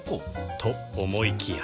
と思いきや